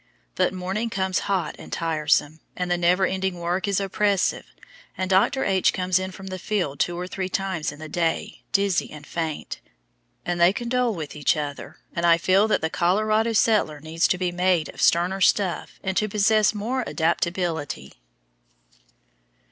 But morning comes hot and tiresome, and the never ending work is oppressive, and Dr. H. comes in from the field two or three times in the day, dizzy and faint, and they condole with each other, and I feel that the Colorado settler needs to be made of sterner stuff and to possess more adaptability.